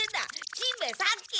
しんべヱさっき。